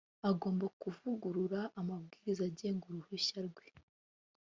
agomba kuvugurura amabwiriza agenga uruhushya rwe